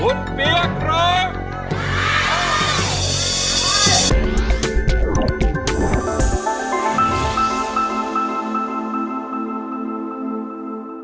ขึ้นมาเล่นวันนี้เลยมั้ย